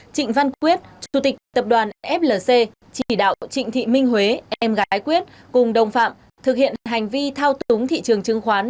trịnh văn quyết chủ tịch tập đoàn flc chỉ đạo trịnh thị minh huế em gái quyết cùng đồng phạm thực hiện hành vi thao túng thị trường chứng khoán